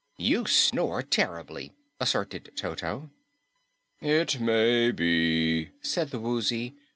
"You snore terribly," asserted Toto. "It may be," said the Woozy.